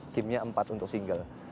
gimnya empat untuk single